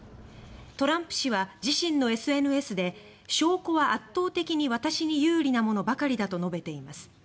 トランプ氏は自身のＳＮＳで証拠は圧倒的に私に有利なものばかりだと述べています。